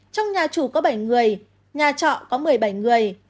trong nhà chủ có bảy người nhà trọ có một mươi bảy người